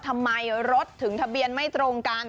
ทำไมรถถึงทะเบียนไม่ตรงกัน